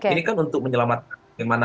ini kan untuk menyelamatkan